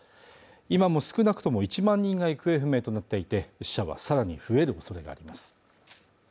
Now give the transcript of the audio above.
今も少なくとも１万人が行方不明となっていて死者はさらに増えるおそれがあります